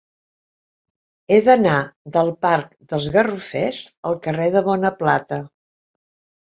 He d'anar del parc dels Garrofers al carrer de Bonaplata.